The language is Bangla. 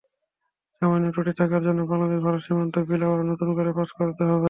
সামান্য ত্রুটি থাকার জন্য বাংলাদেশ-ভারত সীমান্ত বিল আবার নতুন করে পাস করাতে হবে।